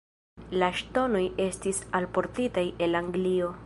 La ŝtonoj estis alportitaj el Anglio.